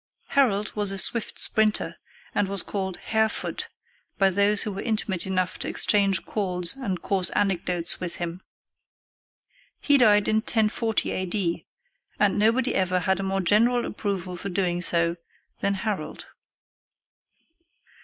Harold was a swift sprinter, and was called "Harefoot" by those who were intimate enough to exchange calls and coarse anecdotes with him. He died in 1040 A.D., and nobody ever had a more general approval for doing so than Harold.